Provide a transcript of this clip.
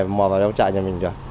và mò vào trong trại nhà mình rồi